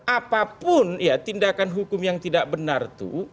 apapun ya tindakan hukum yang tidak benar itu